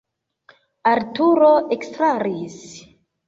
Arturo ekstaris.